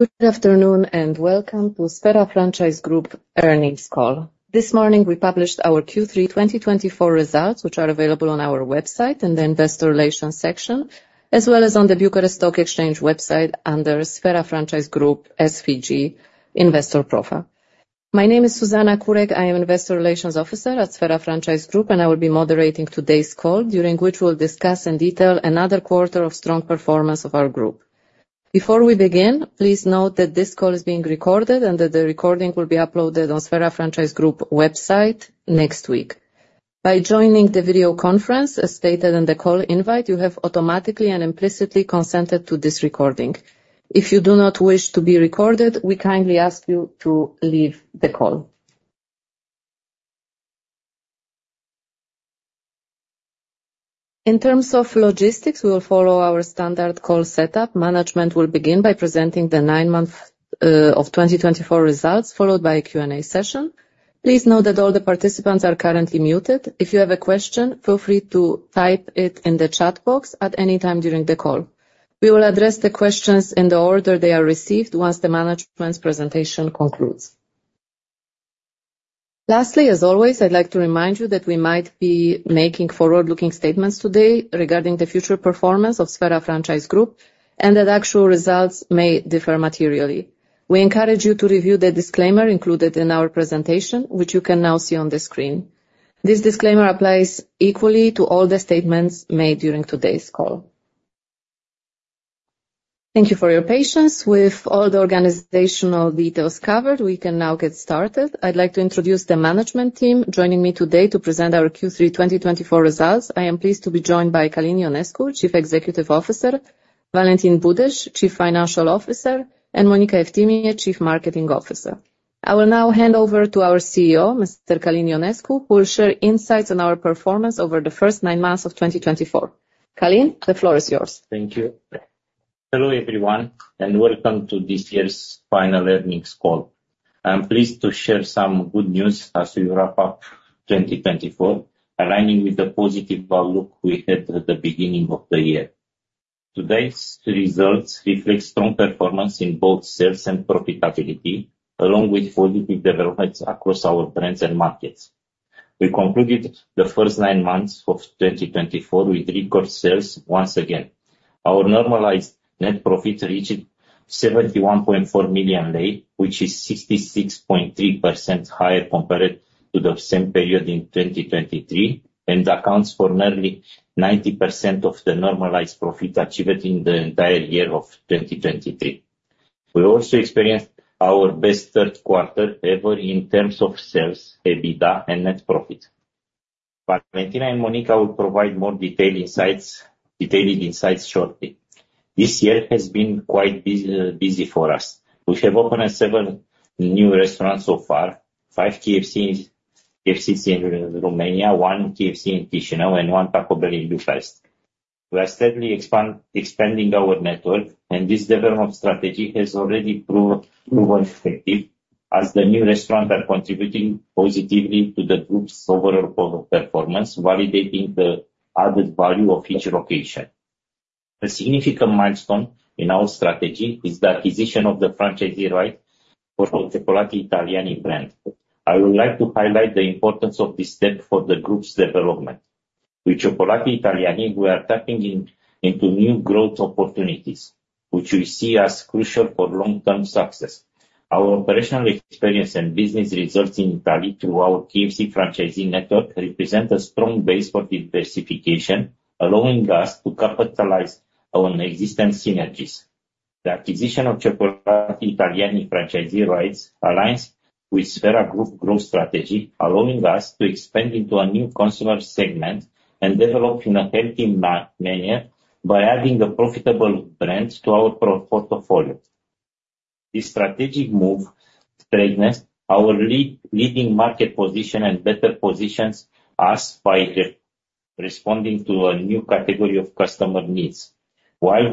Good afternoon and welcome to Sphera Franchise Group earnings call. This morning we published our Q3 2024 results, which are available on our website in the Investor Relations section, as well as on the Bucharest Stock Exchange website under Sphera Franchise Group SFG Investor Profile. My name is Zuzanna Kurek. I am Investor Relations Officer at Sphera Franchise Group, and I will be moderating today's call, during which we'll discuss in detail another quarter of strong performance of our group. Before we begin, please note that this call is being recorded and that the recording will be uploaded on Sphera Franchise Group website next week. By joining the video conference as stated in the call invite, you have automatically and implicitly consented to this recording. If you do not wish to be recorded, we kindly ask you to leave the call. In terms of logistics, we will follow our standard call setup. Management will begin by presenting the nine months of 2024 results, followed by a Q&A session. Please note that all the participants are currently muted. If you have a question, feel free to type it in the chat box at any time during the call. We will address the questions in the order they are received once the management's presentation concludes. Lastly, as always, I'd like to remind you that we might be making forward-looking statements today regarding the future performance of Sphera Franchise Group and that actual results may differ materially. We encourage you to review the disclaimer included in our presentation, which you can now see on the screen. This disclaimer applies equally to all the statements made during today's call. Thank you for your patience. With all the organizational details covered, we can now get started. I'd like to introduce the management team joining me today to present our Q3 2024 results. I am pleased to be joined by Călin Ionescu, Chief Executive Officer, Valentin Budeș, Chief Financial Officer, and Monica Eftimie, Chief Marketing Officer. I will now hand over to our CEO, Mr. Călin Ionescu, who will share insights on our performance over the first nine months of 2024. Călin, the floor is yours. Thank you. Hello everyone and welcome to this year's final earnings call. I'm pleased to share some good news as we wrap up 2024, aligning with the positive outlook we had at the beginning of the year. Today's results reflect strong performance in both sales and profitability, along with positive developments across our brands and markets. We concluded the first nine months of 2024 with record sales once again. Our normalized net profit reached RON 71.4 million, which is 66.3% higher compared to the same period in 2023, and accounts for nearly 90% of the normalized profit achieved in the entire year of 2023. We also experienced our best third quarter ever in terms of sales, EBITDA, and net profit. Valentin and Monica will provide more detailed insights shortly. This year has been quite busy for us. We have opened seven new restaurants so far: five KFCs in Romania, one KFC in Chișinău, and one Taco Bell in Bucharest. We are steadily expanding our network, and this development strategy has already proven effective, as the new restaurants are contributing positively to the group's overall performance, validating the added value of each location. A significant milestone in our strategy is the acquisition of the franchisee right for the Cioccolatitaliani brand. I would like to highlight the importance of this step for the group's development. With Cioccolatitaliani, we are tapping into new growth opportunities, which we see as crucial for long-term success. Our operational experience and business results in Italy through our KFC franchisee network represent a strong base for diversification, allowing us to capitalize on existing synergies. The acquisition of Cioccolatitaliani franchisee rights aligns with Sphera Group's growth strategy, allowing us to expand into a new consumer segment and develop in a healthy manner by adding a profitable brand to our portfolio. This strategic move strengthens our leading market position and better positions us by responding to a new category of customer needs, while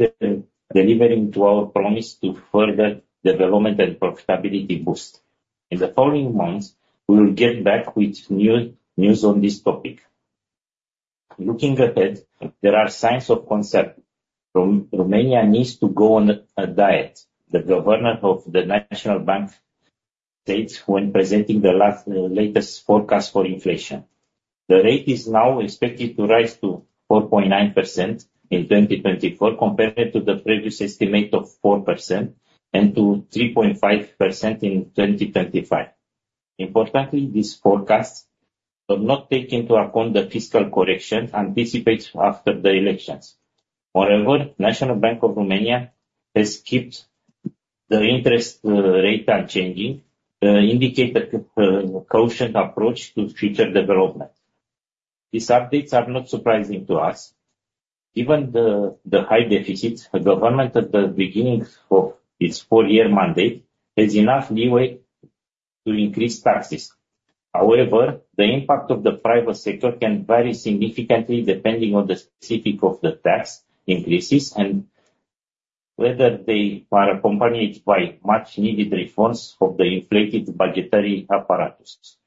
delivering to our promise to further development and profitability boost. In the following months, we will get back with news on this topic. Looking ahead, there are signs of concern. Romania needs to go on a diet. The governor of the National Bank states when presenting the latest forecast for inflation. The rate is now expected to rise to 4.9% in 2024, compared to the previous estimate of 4% and to 3.5% in 2025. Importantly, these forecasts do not take into account the fiscal correction anticipated after the elections. Moreover, the National Bank of Romania has kept the interest rate unchanged, indicating a cautious approach to future development. These updates are not surprising to us. Given the high deficits, the government, at the beginning of its four-year mandate, has enough leeway to increase taxes. However, the impact of the private sector can vary significantly depending on the specifics of the tax increases and whether they are accompanied by much-needed reforms of the inflated budgetary apparatus.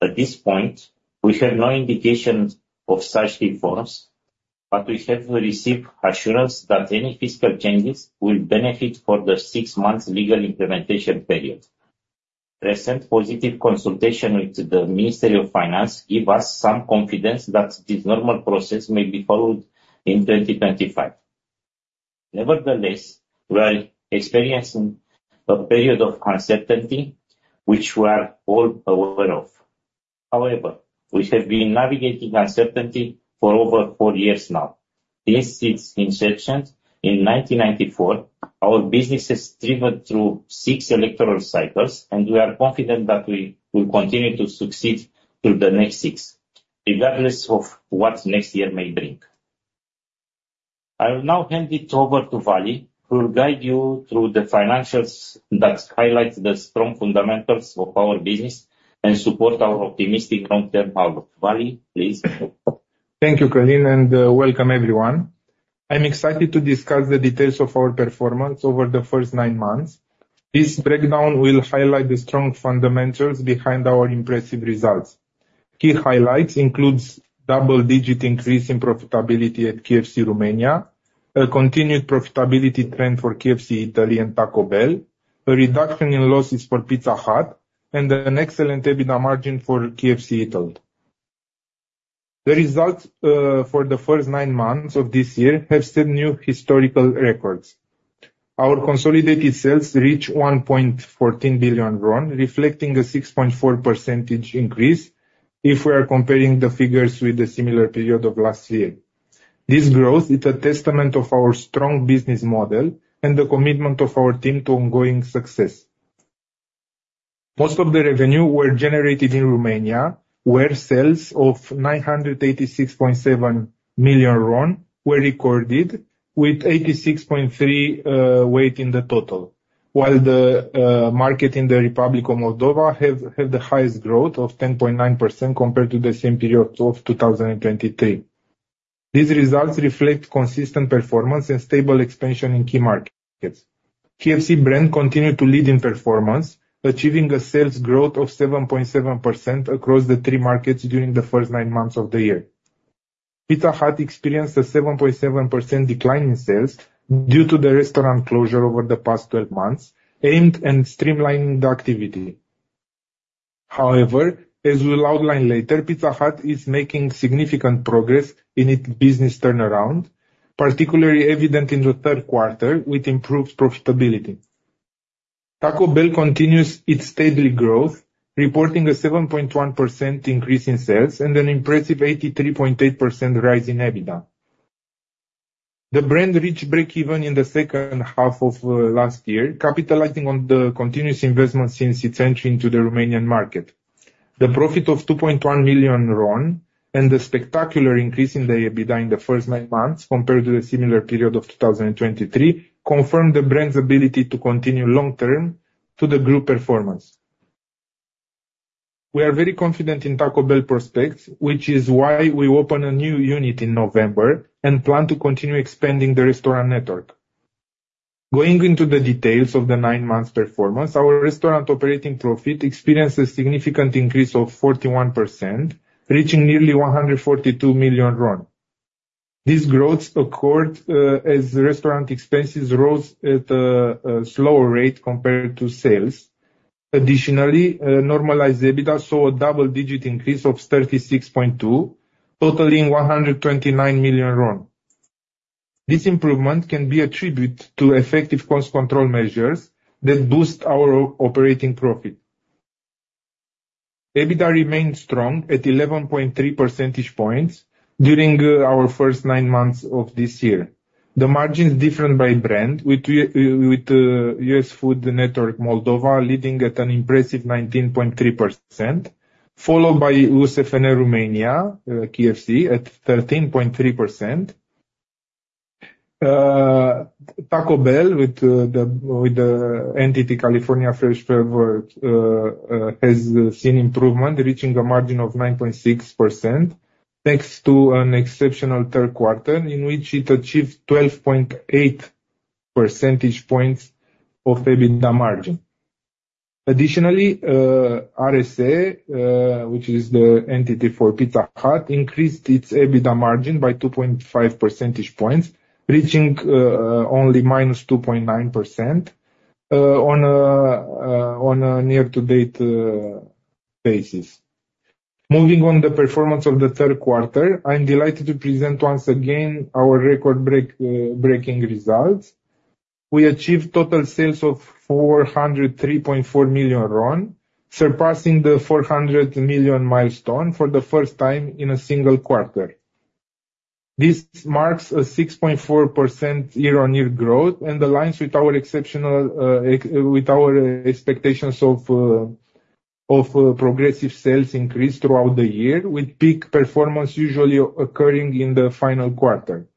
At this point, we have no indication of such reforms, but we have received assurance that any fiscal changes will benefit for the six-month legal implementation period. Recent positive consultations with the Ministry of Finance give us some confidence that this normal process may be followed in 2025. Nevertheless, we are experiencing a period of uncertainty, which we are all aware of. However, we have been navigating uncertainty for over four years now. Since its inception in 1994, our business has driven through six electoral cycles, and we are confident that we will continue to succeed through the next six, regardless of what next year may bring. I will now hand it over to Vali, who will guide you through the financials that highlight the strong fundamentals of our business and support our optimistic long-term outlook. Vali, please. Thank you, Călin, and welcome everyone. I'm excited to discuss the details of our performance over the first nine months. This breakdown will highlight the strong fundamentals behind our impressive results. Key highlights include a double-digit increase in profitability at KFC Romania, a continued profitability trend for KFC Italy and Taco Bell, a reduction in losses for Pizza Hut, and an excellent EBITDA margin for KFC Italy. The results for the first nine months of this year have set new historical records. Our consolidated sales reached RON 1.14 billion, reflecting a 6.4% increase if we are comparing the figures with the similar period of last year. This growth is a testament to our strong business model and the commitment of our team to ongoing success. Most of the revenue was generated in Romania, where sales of RON 986.7 million were recorded, with 86.3% weight in the total, while the market in the Republic of Moldova had the highest growth of 10.9% compared to the same period of 2023. These results reflect consistent performance and stable expansion in key markets. KFC brand continued to lead in performance, achieving a sales growth of 7.7% across the three markets during the first nine months of the year. Pizza Hut experienced a 7.7% decline in sales due to the restaurant closure over the past 12 months, aimed at streamlining the activity. However, as we'll outline later, Pizza Hut is making significant progress in its business turnaround, particularly evident in the third quarter, with improved profitability. Taco Bell continues its steady growth, reporting a 7.1% increase in sales and an impressive 83.8% rise in EBITDA. The brand reached break-even in the second half of last year, capitalizing on the continuous investment since its entry into the Romanian market. The profit of RON 2.1 million and the spectacular increase in the EBITDA in the first nine months, compared to the similar period of 2023, confirm the brand's ability to contribute long-term to the group performance. We are very confident in Taco Bell prospects, which is why we opened a new unit in November and plan to continue expanding the restaurant network. Going into the details of the nine-month performance, our restaurant operating profit experienced a significant increase of 41%, reaching nearly RON 142 million. This growth occurred as restaurant expenses rose at a slower rate compared to sales. Additionally, normalized EBITDA saw a double-digit increase of 36.2%, totaling RON 129 million. This improvement can be attributed to effective cost control measures that boost our operating profit. EBITDA remained strong at 11.3 percentage points during our first nine months of this year. The margins differ by brand, with US Food Network Moldova leading at an impressive 19.3%, followed by US Food Network Romania KFC at 13.3%. Taco Bell with the entity California Fresh Flavors has seen improvement, reaching a margin of 9.6%, thanks to an exceptional third quarter in which it achieved 12.8 percentage points of EBITDA margin. Additionally, ARS, which is the entity for Pizza Hut, increased its EBITDA margin by 2.5 percentage points, reaching only minus 2.9% on a year-to-date basis. Moving on to the performance of the third quarter, I'm delighted to present once again our record-breaking results. We achieved total sales of RON 403.4 million, surpassing the 400 million milestone for the first time in a single quarter. This marks a 6.4% year-on-year growth and aligns with our expectations of progressive sales increase throughout the year, with peak performance usually occurring in the final quarter.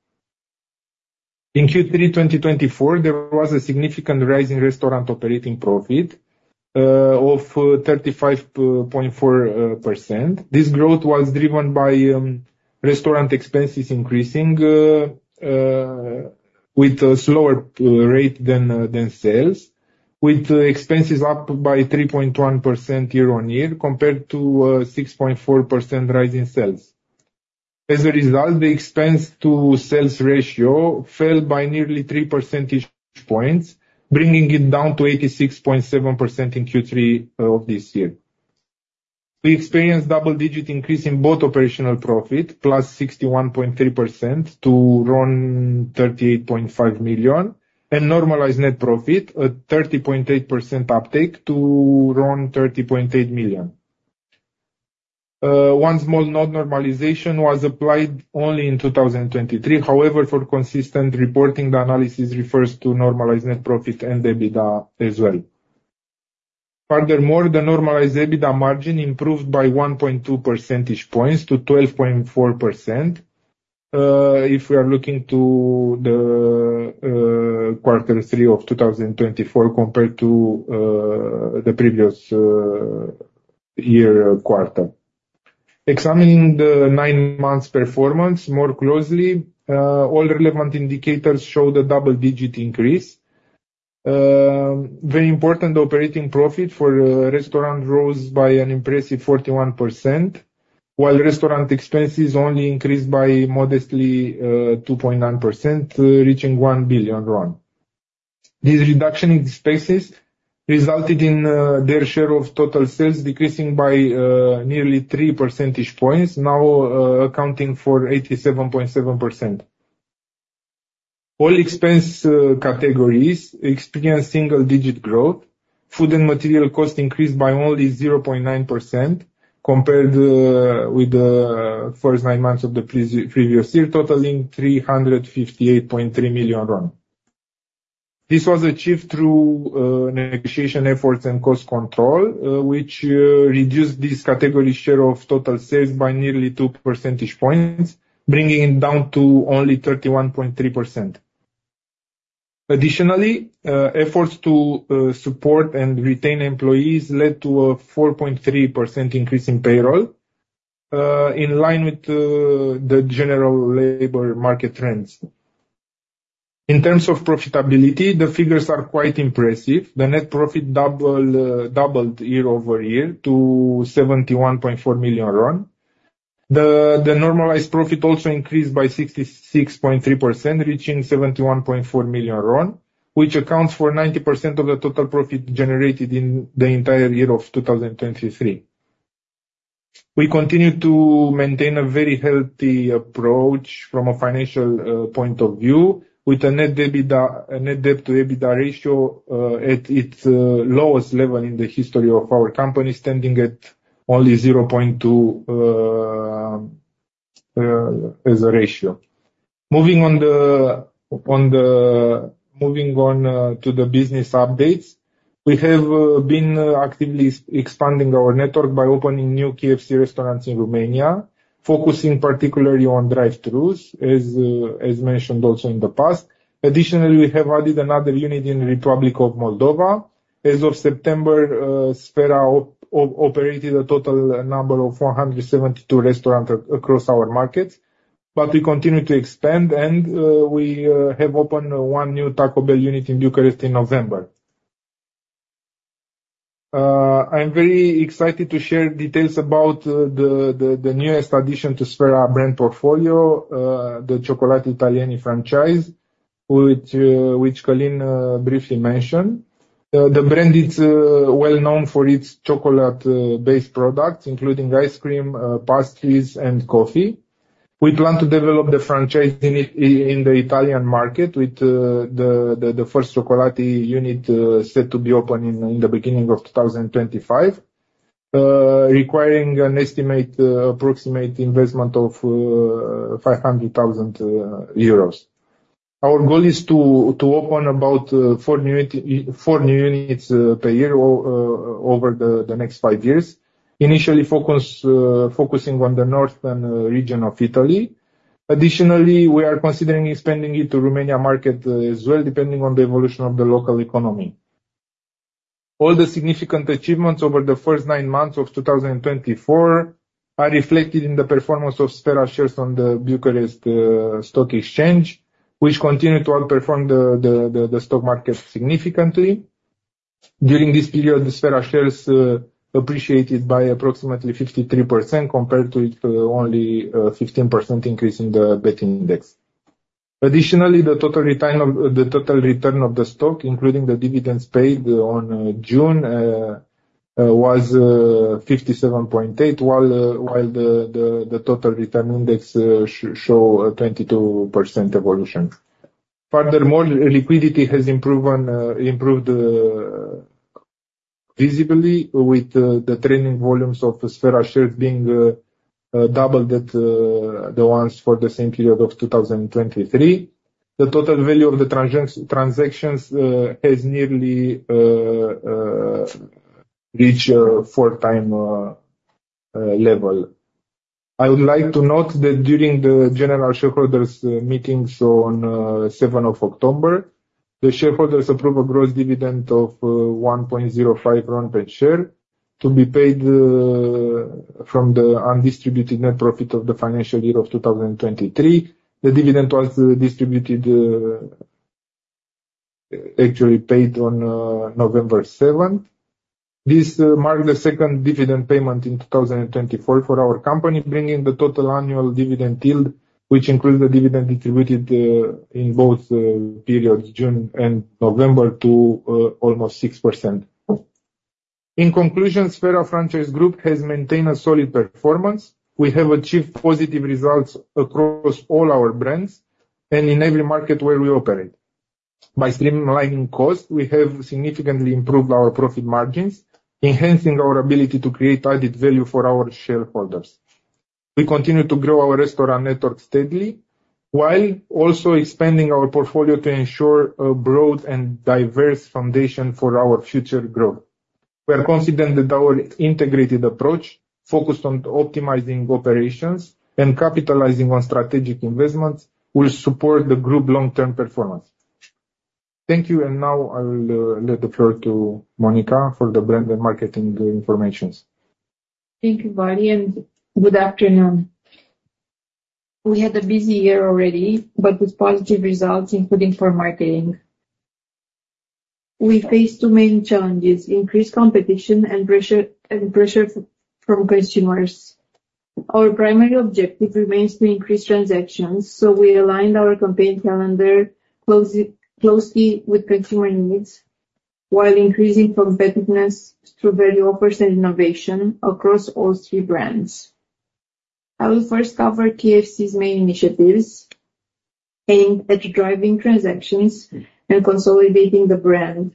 In Q3 2024, there was a significant rise in restaurant operating profit of 35.4%. This growth was driven by restaurant expenses increasing with a slower rate than sales, with expenses up by 3.1% year-on-year compared to a 6.4% rise in sales. As a result, the expense-to-sales ratio fell by nearly 3 percentage points, bringing it down to 86.7% in Q3 of this year. We experienced a double-digit increase in both operational profits, plus 61.3% to RON 38.5 million, and normalized net profit, a 30.8% uptake to RON 30.8 million. One small non-recurring normalization was applied only in 2023. However, for consistent reporting, the analysis refers to normalized net profit and EBITDA as well. Furthermore, the normalized EBITDA margin improved by 1.2 percentage points to 12.4% if we are looking to the quarter three of 2024 compared to the previous year quarter. Examining the nine-month performance more closely, all relevant indicators showed a double-digit increase. Very important operating profit for restaurants rose by an impressive 41%, while restaurant expenses only increased by modestly 2.9%, reaching RON 1 billion. These reduced expenses resulted in their share of total sales decreasing by nearly 3 percentage points, now accounting for 87.7%. All expense categories experienced single-digit growth. Food and material costs increased by only 0.9% compared with the first nine months of the previous year, totaling RON 358.3 million. This was achieved through negotiation efforts and cost control, which reduced this category's share of total sales by nearly 2 percentage points, bringing it down to only 31.3%. Additionally, efforts to support and retain employees led to a 4.3% increase in payroll, in line with the general labor market trends. In terms of profitability, the figures are quite impressive. The net profit doubled year-over-year to RON 71.4 million. The normalized profit also increased by 66.3%, reaching RON 71.4 million, which accounts for 90% of the total profit generated in the entire year of 2023. We continue to maintain a very healthy approach from a financial point of view, with a net debt-to-EBITDA ratio at its lowest level in the history of our company, standing at only 0.2 as a ratio. Moving on to the business updates, we have been actively expanding our network by opening new KFC restaurants in Romania, focusing particularly on drive-throughs, as mentioned also in the past. Additionally, we have added another unit in the Republic of Moldova. As of September, Sphera operated a total number of 472 restaurants across our markets, but we continue to expand, and we have opened one new Taco Bell unit in Bucharest in November. I'm very excited to share details about the newest addition to Sphera brand portfolio, the Cioccolatitaliani franchise, which Călin briefly mentioned. The brand is well-known for its chocolate-based products, including ice cream, pastries, and coffee. We plan to develop the franchise in the Italian market, with the first Cioccolatitaliani unit set to be opened in the beginning of 2025, requiring an estimated investment of 500,000 euros. Our goal is to open about four new units per year over the next five years, initially focusing on the northern region of Italy. Additionally, we are considering expanding into the Romania market as well, depending on the evolution of the local economy. All the significant achievements over the first nine months of 2024 are reflected in the performance of Sphera shares on the Bucharest Stock Exchange, which continued to outperform the stock market significantly. During this period, Sphera shares appreciated by approximately 53% compared to its only 15% increase in the BET index. Additionally, the total return of the stock, including the dividends paid in June, was 57.8%, while the total return index showed a 22% evolution. Furthermore, liquidity has improved visibly, with the trading volumes of Sphera shares being doubled to the ones for the same period of 2023. The total value of the transactions has nearly reached a four-time level. I would like to note that during the general shareholders' meetings on 7 October, the shareholders approved a gross dividend of RON 1.05 per share to be paid from the undistributed net profit of the financial year of 2023. The dividend was actually paid on November 7. This marks the second dividend payment in 2024 for our company, bringing the total annual dividend yield, which includes the dividend distributed in both periods, June and November, to almost 6%. In conclusion, Sphera Franchise Group has maintained a solid performance. We have achieved positive results across all our brands and in every market where we operate. By streamlining costs, we have significantly improved our profit margins, enhancing our ability to create added value for our shareholders. We continue to grow our restaurant network steadily, while also expanding our portfolio to ensure a broad and diverse foundation for our future growth. We are confident that our integrated approach, focused on optimizing operations and capitalizing on strategic investments, will support the group's long-term performance. Thank you, and now I will give the floor to Monica for the brand and marketing information. Thank you, Vai, and good afternoon. We had a busy year already, but with positive results, including for marketing. We faced two main challenges: increased competition and pressure from consumers. Our primary objective remains to increase transactions, so we aligned our campaign calendar closely with consumer needs, while increasing competitiveness through value offers and innovation across all three brands. I will first cover KFC's main initiatives aimed at driving transactions and consolidating the brand.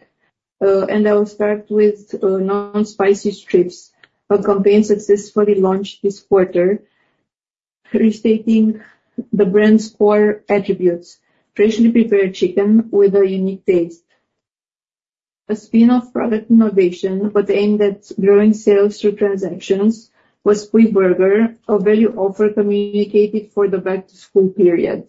And I will start with non-spicy strips, a campaign successfully launched this quarter, restating the brand's core attributes: freshly prepared chicken with a unique taste. A spin-off product innovation but aimed at growing sales through transactions was Spui Burger, a value offer communicated for the back-to-school period.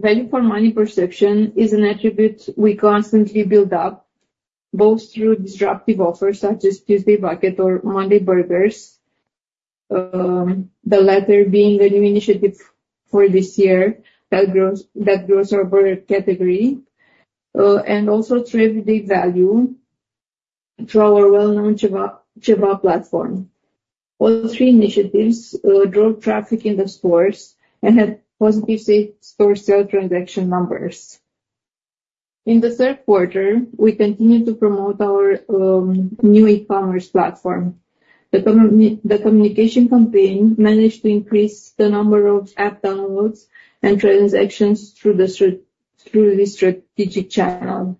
Value for money perception is an attribute we constantly build up, both through disruptive offers such as Tuesday Bucket or Monday Burgers, the latter being a new initiative for this year that grows our category, and also through everyday value through our well-known Ceva platform. All three initiatives drove traffic in the stores and had positive store sale transaction numbers. In the third quarter, we continued to promote our new e-commerce platform. The communication campaign managed to increase the number of app downloads and transactions through this strategic channel.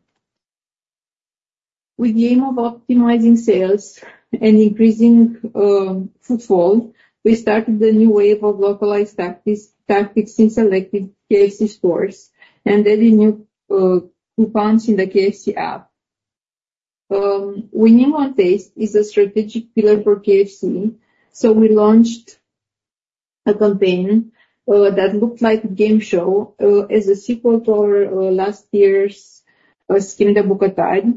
With the aim of optimizing sales and increasing footfall, we started a new wave of localized tactics in selected KFC stores and added new coupons in the KFC app. Winning on taste is a strategic pillar for KFC, so we launched a campaign that looked like a game show as a sequel to our last year's scheme in Bucharest,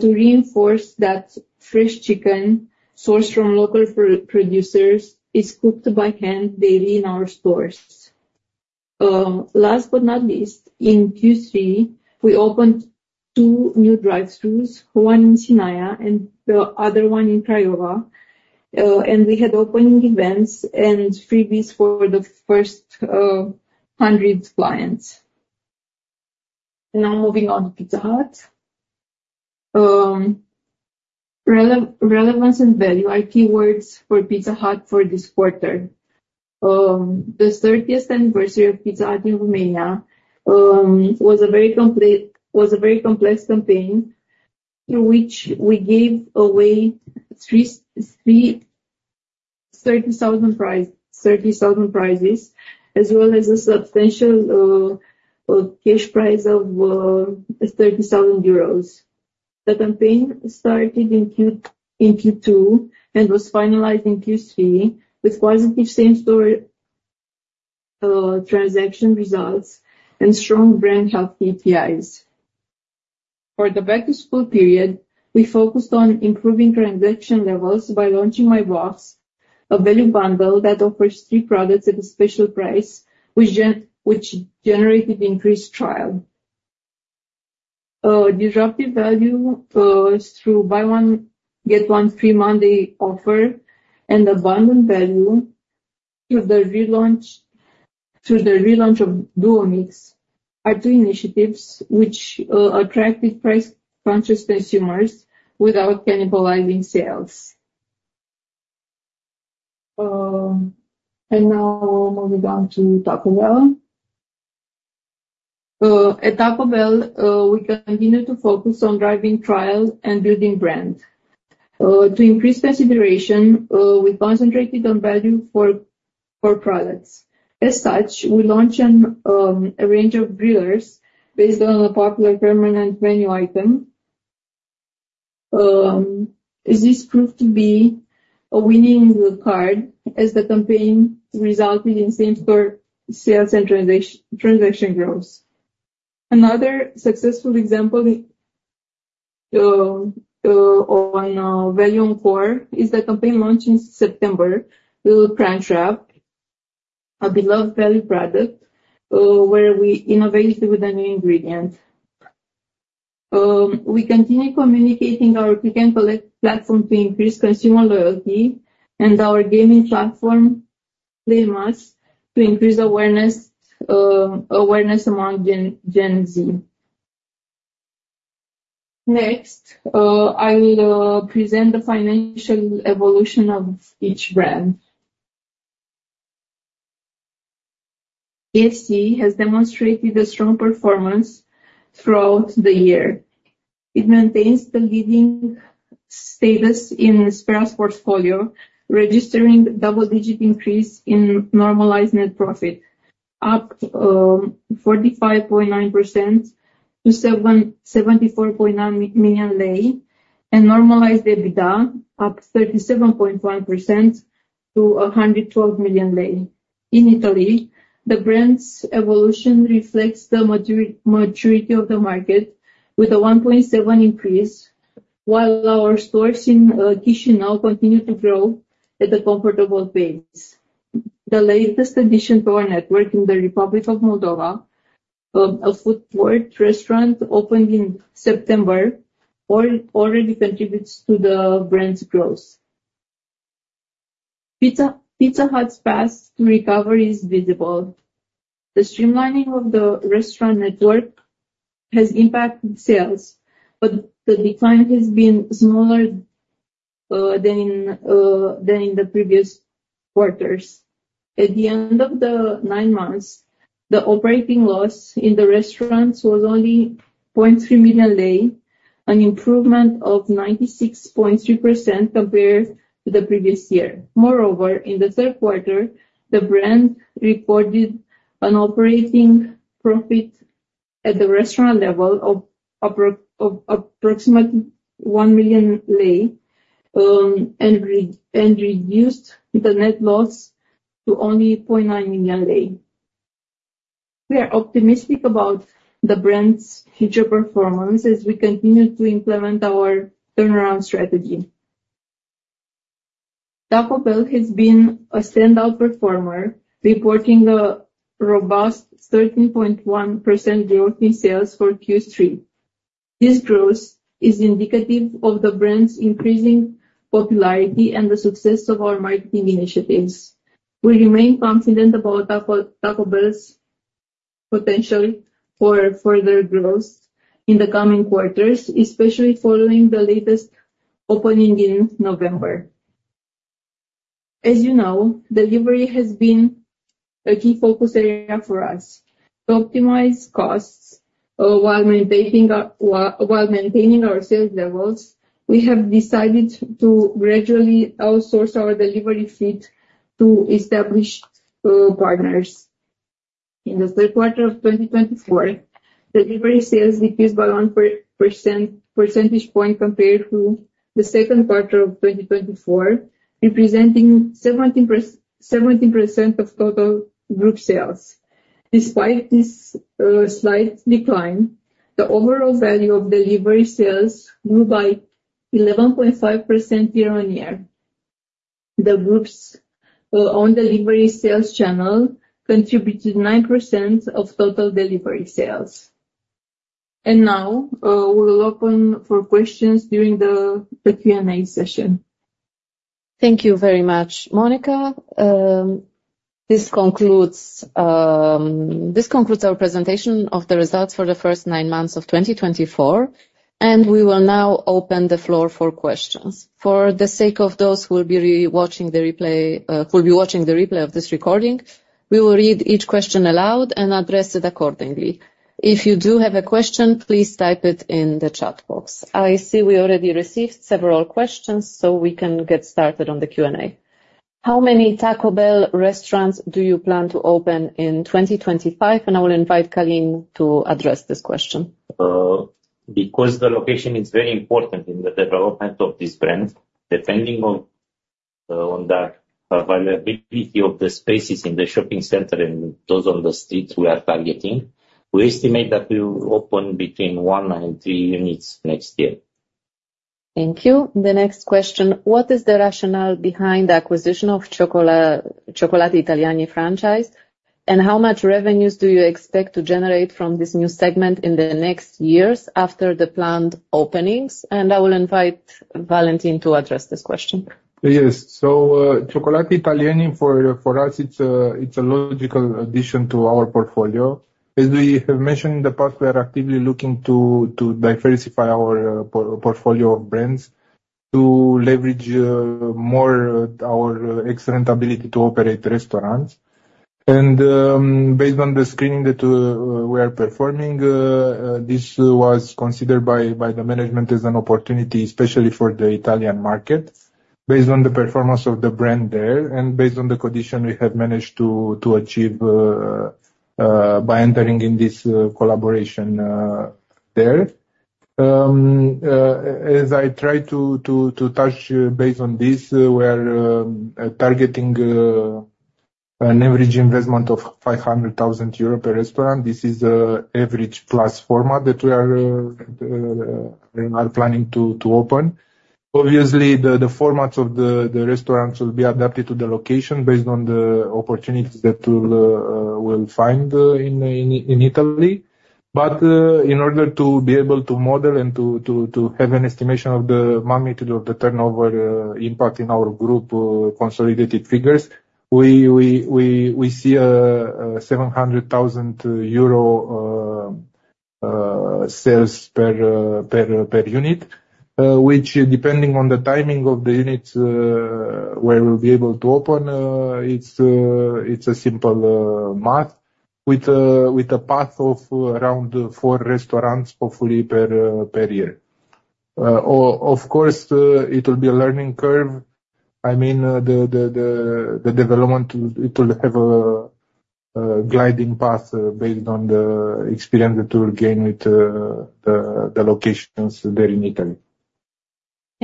to reinforce that fresh chicken sourced from local producers is cooked by hand daily in our stores. Last but not least, in Q3, we opened two new drive-throughs, one in Sinaia and the other one in Craiova, and we had opening events and freebies for the first 100 clients. Now, moving on to Pizza Hut. Relevance and value are keywords for Pizza Hut for this quarter. The 30th anniversary of Pizza Hut in Romania was a very complex campaign through which we gave away three 30,000 prizes, as well as a substantial cash prize of 30,000 euros. The campaign started in Q2 and was finalized in Q3 with positive same-store transaction results and strong brand health KPIs. For the back-to-school period, we focused on improving transaction levels by launching My Box, a value bundle that offers three products at a special price, which generated increased trial. Disruptive value through buy-one-get-one-free Monday offer and abundant value through the relaunch of Duo Mix are two initiatives which attracted price-conscious consumers without cannibalizing sales. And now, moving on to Taco Bell. At Taco Bell, we continue to focus on driving trial and building brand. To increase consideration, we concentrated on value for products. As such, we launched a range of Grillers based on a popular permanent menu item. This proved to be a winning card as the campaign resulted in same-store sales and transaction growth. Another successful example on value on core is the campaign launched in September, Crunchwrap, a beloved value product where we innovated with a new ingredient. We continue communicating our pick-and-collect platform to increase consumer loyalty and our gaming platform, PlayMás, to increase awareness among Gen Z. Next, I will present the financial evolution of each brand. KFC has demonstrated a strong performance throughout the year. It maintains the leading status in Sphera's portfolio, registering a double-digit increase in normalized net profit, up 45.9% to 74.9 million lei, and normalized EBITDA, up 37.1% to 112 million lei. In Italy, the brand's evolution reflects the maturity of the market, with a 1.7% increase, while our stores in Chișinău continue to grow at a comfortable pace. The latest addition to our network in the Republic of Moldova, a food court restaurant opened in September, already contributes to the brand's growth. Pizza Hut's path to recovery is visible. The streamlining of the restaurant network has impacted sales, but the decline has been smaller than in the previous quarters. At the end of the nine months, the operating loss in the restaurants was only RON 0.3 million, an improvement of 96.3% compared to the previous year. Moreover, in the third quarter, the brand recorded an operating profit at the restaurant level of approximately RON 1 million and reduced the net loss to only RON 0.9 million. We are optimistic about the brand's future performance as we continue to implement our turnaround strategy. Taco Bell has been a standout performer, reporting a robust 13.1% growth in sales for Q3. This growth is indicative of the brand's increasing popularity and the success of our marketing initiatives. We remain confident about Taco Bell's potential for further growth in the coming quarters, especially following the latest opening in November. As you know, delivery has been a key focus area for us. To optimize costs while maintaining our sales levels, we have decided to gradually outsource our delivery fleet to established partners. In the third quarter of 2024, delivery sales decreased by 1 percentage point compared to the second quarter of 2024, representing 17% of total group sales. Despite this slight decline, the overall value of delivery sales grew by 11.5% year-on-year. The group's own delivery sales channel contributed 9% of total delivery sales, and now we'll open for questions during the Q&A session. Thank you very much, Monica. This concludes our presentation of the results for the first nine months of 2024, and we will now open the floor for questions. For the sake of those who will be watching the replay of this recording, we will read each question aloud and address it accordingly. If you do have a question, please type it in the chat box. I see we already received several questions, so we can get started on the Q&A. How many Taco Bell restaurants do you plan to open in 2025? And I will invite Călin to address this question. Because the location is very important in the development of this brand, depending on the availability of the spaces in the shopping center and those on the streets we are targeting, we estimate that we will open between one and three units next year. Thank you. The next question: What is the rationale behind the acquisition of Cioccolatitaliani franchise, and how much revenues do you expect to generate from this new segment in the next years after the planned openings? And I will invite Valentin to address this question. Yes. So Cioccolatitaliani, for us, it's a logical addition to our portfolio. As we have mentioned in the past, we are actively looking to diversify our portfolio of brands to leverage more our excellent ability to operate restaurants, and based on the screening that we are performing, this was considered by the management as an opportunity, especially for the Italian market, based on the performance of the brand there and based on the condition we have managed to achieve by entering in this collaboration there. As I try to touch base on this, we are targeting an average investment of 500,000 euro per restaurant. This is an average-plus format that we are planning to open. Obviously, the formats of the restaurants will be adapted to the location based on the opportunities that we will find in Italy. But in order to be able to model and to have an estimation of the magnitude of the turnover impact in our group consolidated figures, we see EUR 700,000 sales per unit, which, depending on the timing of the units where we'll be able to open, it's a simple math with a path of around four restaurants, hopefully, per year. Of course, it will be a learning curve. I mean, the development will have a gliding path based on the experience that we'll gain with the locations there in Italy.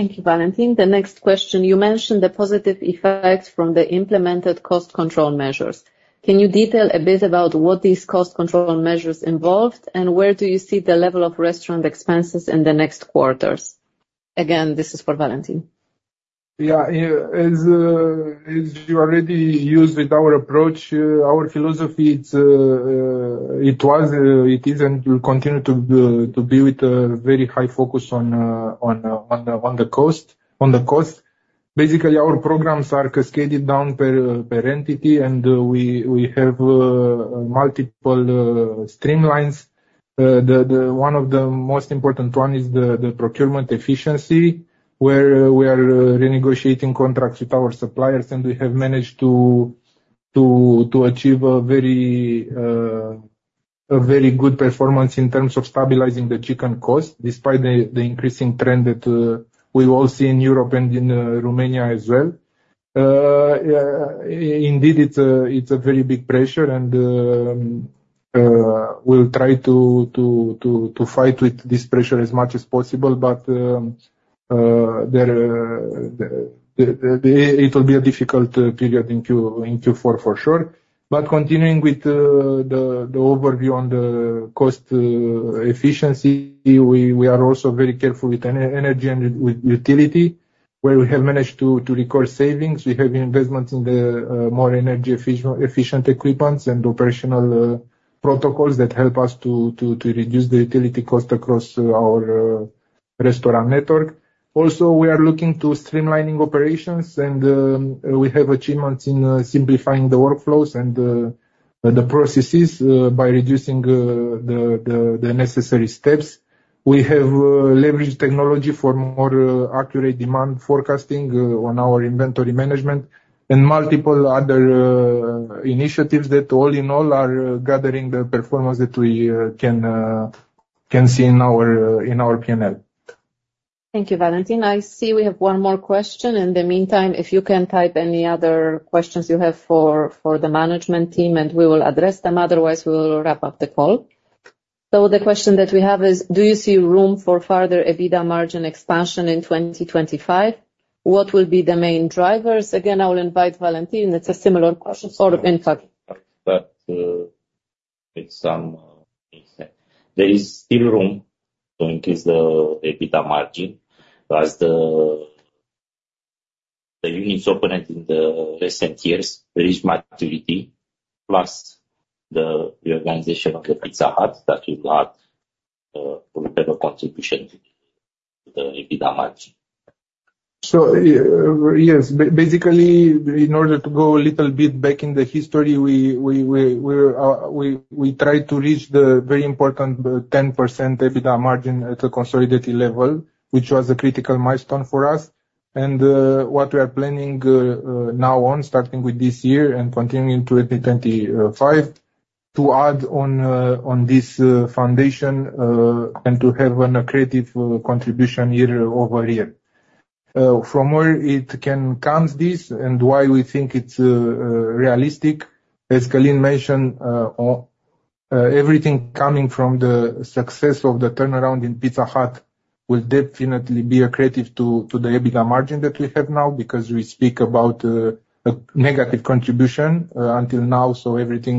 Thank you, Valentin. The next question: You mentioned the positive effects from the implemented cost control measures. Can you detail a bit about what these cost control measures involved, and where do you see the level of restaurant expenses in the next quarters? Again, this is for Valentin. Yeah. As you already used with our approach, our philosophy is, it was, it is, and will continue to be with a very high focus on the cost. Basically, our programs are cascaded down per entity, and we have multiple streamlines. One of the most important ones is the procurement efficiency, where we are renegotiating contracts with our suppliers, and we have managed to achieve a very good performance in terms of stabilizing the chicken cost, despite the increasing trend that we all see in Europe and in Romania as well. Indeed, it's a very big pressure, and we'll try to fight with this pressure as much as possible. But it will be a difficult period in Q4, for sure. But continuing with the overview on the cost efficiency, we are also very careful with energy and utility, where we have managed to record savings. We have investments in the more energy-efficient equipment and operational protocols that help us to reduce the utility cost across our restaurant network. Also, we are looking to streamline operations, and we have achievements in simplifying the workflows and the processes by reducing the necessary steps. We have leveraged technology for more accurate demand forecasting on our inventory management and multiple other initiatives that, all in all, are gathering the performance that we can see in our P&L. Thank you, Valentin. I see we have one more question. In the meantime, if you can type any other questions you have for the management team, and we will address them. Otherwise, we will wrap up the call. So the question that we have is: Do you see room for further EBITDA margin expansion in 2025? What will be the main drivers? Again, I will invite Valentin. It's a similar question. Or, in fact, that there is still room to increase the EBITDA margin as the units operate in the recent years, reach maturity, plus the reorganization of the Pizza Hut that we've had, we'll have a contribution to the EBITDA margin. So, yes, basically, in order to go a little bit back in the history, we tried to reach the very important 10% EBITDA margin at the consolidated level, which was a critical milestone for us, and what we are planning now on, starting with this year and continuing to 2025, to add on this foundation and to have a creative contribution year-over-year. From where it can come this and why we think it's realistic, as Călin mentioned, everything coming from the success of the turnaround in Pizza Hut will definitely be an accretive to the EBITDA margin that we have now because we speak about a negative contribution until now, so everything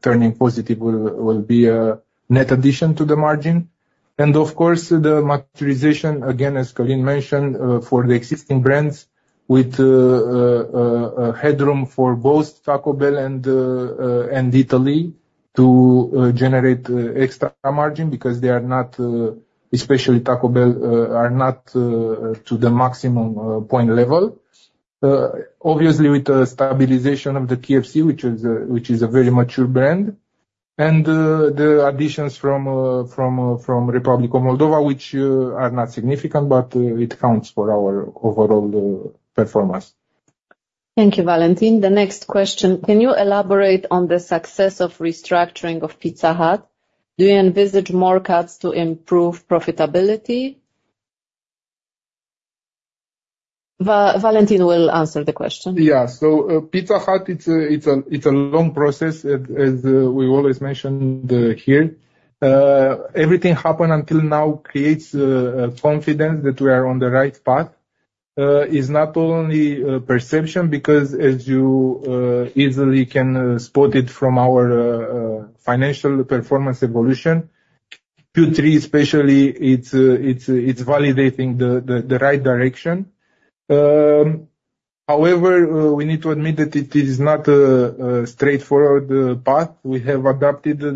turning positive will be a net addition to the margin, and of course, the maturation, again, as Călin mentioned, for the existing brands with headroom for both Taco Bell and Italy to generate extra margin because they are not, especially Taco Bell, at the maximum potential level. Obviously, with the stabilization of the KFC, which is a very mature brand, and the additions from Republic of Moldova, which are not significant, but it counts for our overall performance. Thank you, Valentin. The next question: Can you elaborate on the success of restructuring of Pizza Hut? Do you envisage more cuts to improve profitability? Valentin will answer the question. Yeah. So Pizza Hut, it's a long process, as we always mentioned here. Everything happened until now creates confidence that we are on the right path. It's not only a perception because, as you easily can spot it from our financial performance evolution, Q3 especially, it's validating the right direction. However, we need to admit that it is not a straightforward path. We have adopted a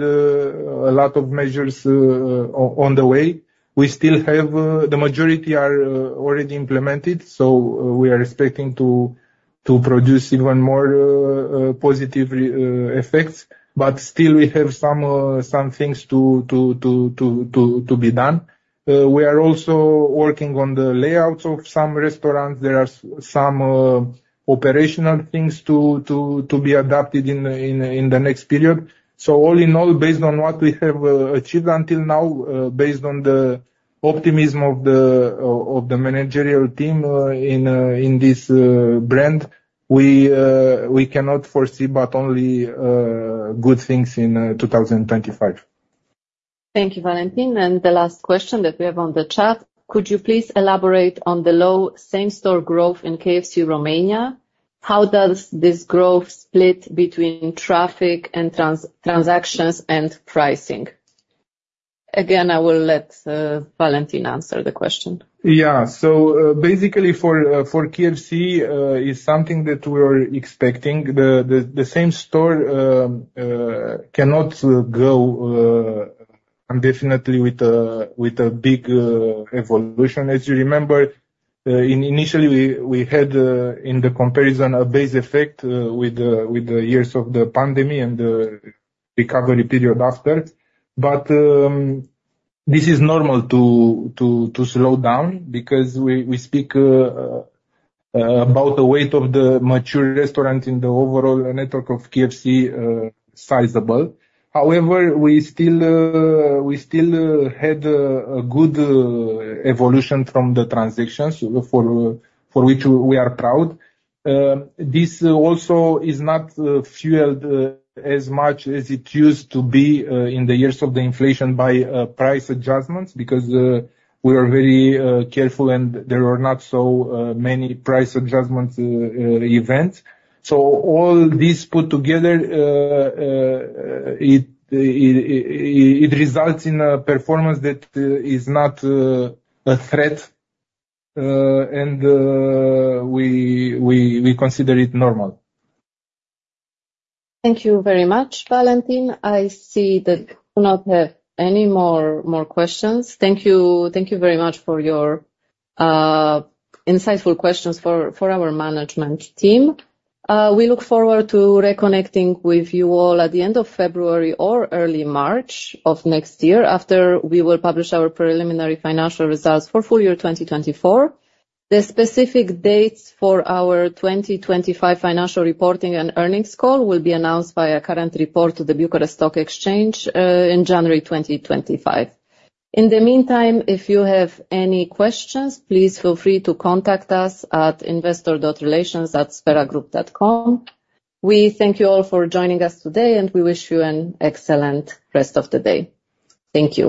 lot of measures on the way. We still have the majority are already implemented, so we are expecting to produce even more positive effects. But still, we have some things to be done. We are also working on the layouts of some restaurants. There are some operational things to be adopted in the next period. So, all in all, based on what we have achieved until now, based on the optimism of the managerial team in this brand, we cannot foresee but only good things in 2025. Thank you, Valentin. And the last question that we have on the chat: Could you please elaborate on the low same-store growth in KFC Romania? How does this growth split between traffic and transactions and pricing? Again, I will let Valentin answer the question. Yeah. So, basically, for KFC, it's something that we are expecting. The same store cannot go indefinitely with a big evolution. As you remember, initially, we had, in the comparison, a base effect with the years of the pandemic and the recovery period after. But this is normal to slow down because we speak about the weight of the mature restaurant in the overall network of KFC sizable. However, we still had a good evolution from the transactions for which we are proud. This also is not fueled as much as it used to be in the years of the inflation by price adjustments because we are very careful, and there were not so many price adjustment events. So, all this put together, it results in a performance that is not a threat, and we consider it normal. Thank you very much, Valentin. I see that we do not have any more questions. Thank you very much for your insightful questions for our management team. We look forward to reconnecting with you all at the end of February or early March of next year after we will publish our preliminary financial results for full year 2024. The specific dates for our 2025 financial reporting and earnings call will be announced via a current report to the Bucharest Stock Exchange in January 2025. In the meantime, if you have any questions, please feel free to contact us at investor.relations@spheragroup.com. We thank you all for joining us today, and we wish you an excellent rest of the day. Thank you.